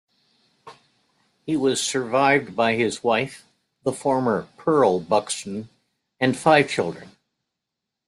He was survived by his wife, the former Pearl Buxton, and five children.